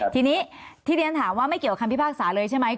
ทีนี้ที่เรียนถามว่าไม่เกี่ยวกับคำพิพากษาเลยใช่ไหม